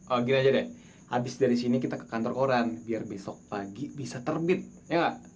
oh gini aja deh habis dari sini kita ke kantor koran biar besok pagi bisa terbit ya